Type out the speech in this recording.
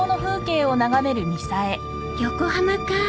横浜か。